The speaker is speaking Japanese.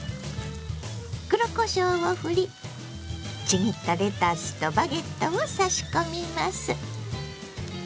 黒こしょうをふりちぎったレタスとバゲットを差し込みます。